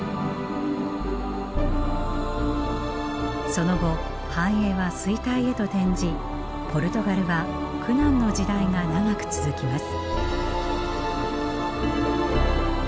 その後繁栄は衰退へと転じポルトガルは苦難の時代が長く続きます。